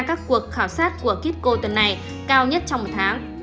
các cuộc khảo sát của kitco tuần này cao nhất trong một tháng